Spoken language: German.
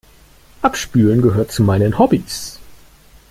Abspülen gehört zu meinen Hobbies.